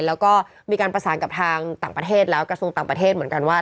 แล้วก็มีการประสานกับทางต่างประเทศแล้วกระทรวงต่างประเทศเหมือนกันว่า